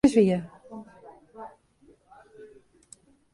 Ik preau dat der wat mis wie.